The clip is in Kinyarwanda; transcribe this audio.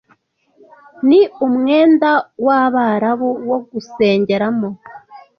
ni umwenda wabarabu wo gusengeramo